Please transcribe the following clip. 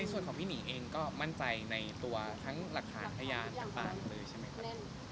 ส่วนของพี่หมีเองก็มั่นใจในตัวทั้งหลักฐานพยานต่างเลยใช่ไหมครับ